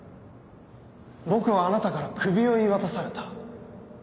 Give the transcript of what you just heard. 僕はあなたからクビを言い渡された。